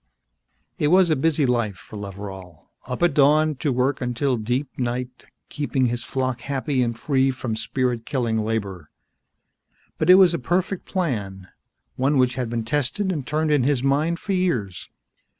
It was a busy life for Loveral, up at dawn to work until deep night, keeping his flock happy and free from spirit killing labor. But it was a perfect plan, one which had been tested and turned in his mind for years.